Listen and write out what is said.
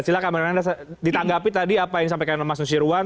silahkan anda ditanggapi tadi apa yang disampaikan oleh mas nusirwan